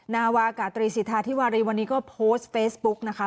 นาวากาตรีสิทธาธิวารีวันนี้ก็โพสต์เฟซบุ๊กนะคะ